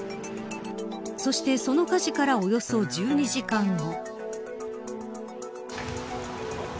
そしてその火事からおよそ１２時間後。